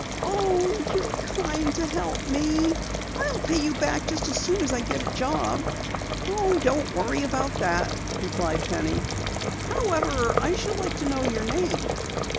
"Oh, you're kind to help me. I'll pay you back just as soon as I get a job." "Don't worry about that," replied Penny. "However, I should like to know your name."